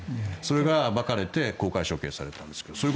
それが暴かれて公開処刑されたんですけど。